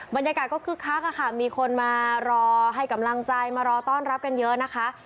บรรยากาศก็คึกคักค่ะมีคนมารอให้กำลังใจมารอต้อนรับกันเยอะนะคะ